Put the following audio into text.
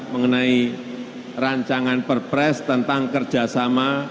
mengenai rancangan perpres tentang kerjasama